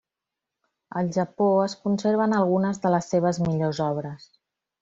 Al Japó es conserven algunes de les seves millors obres.